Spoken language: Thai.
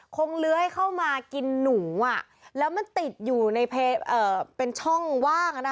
คงเลื้อให้เข้ามากินหนูอ่ะแล้วมันติดอยู่ในเป็นช่องว่างอ่ะนะ